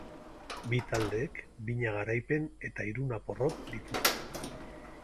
Bi taldeek bina garaipen eta hiruna porrot dituzte.